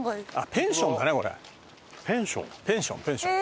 ペンションペンション。